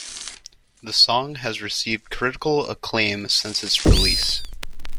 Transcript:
The song has received critical acclaim since its release.